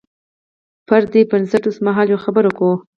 پر دې بنسټ اوسمهال یوه خبره کوو.